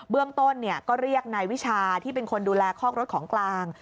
เรื่องต้นก็เรียกนายวิชาที่เป็นคนดูแลคอกรถของกลาง